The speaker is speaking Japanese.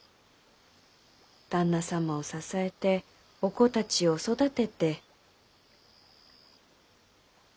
旦那様を支えてお子たちを育てて。